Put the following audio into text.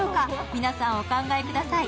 皆さんお考えください。